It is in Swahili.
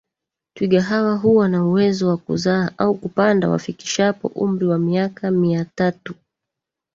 Twiga hawa huwa na uwezo wa kuzaa au kupanda wafikishapo umri wa miaka miatatu